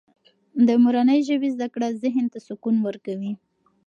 د مورنۍ ژبې زده کړه ذهن ته سکون ورکوي.